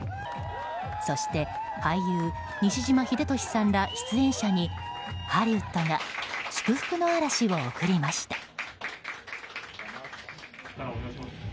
そして俳優・西島秀俊さんら出演者にハリウッドが祝福の嵐を送りました。